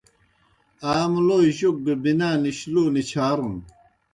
آ مُلوئے جوک گہ بِنا نِش، لو نِچھارُن۔